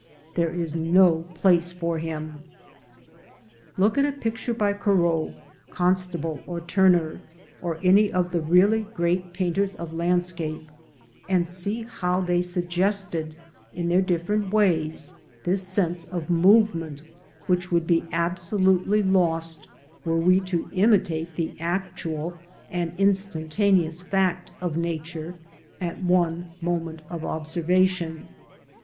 There is no place for him. Look at a picture by Corot, Constable, or Turner, or any of the really great painters of landscape, and see how they suggested in their diflferent ways this sense of movement, which would be absolutely lost were we to imitate the actual and instantaneous fact of Nature at one moment of observation.